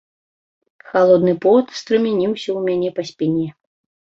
Халодны пот струменіўся ў мяне па спіне.